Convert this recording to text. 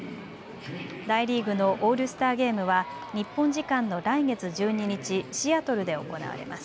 大リーグのオールスターゲームは日本時間の来月１２日、シアトルで行われます。